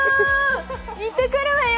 いってくるわよ！